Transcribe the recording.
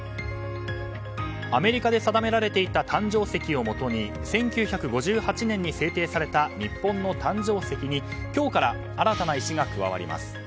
アメリカで定められていた誕生石をもとに１９５８年に制定された日本の誕生石に今日から新たな石が加わります。